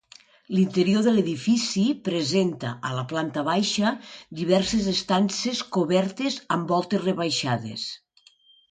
L'interior de l'edifici presenta, a la planta baixa, diverses estances cobertes amb voltes rebaixades.